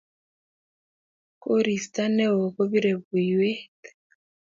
Koristo neo kopire puiwet.